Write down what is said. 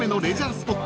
スポット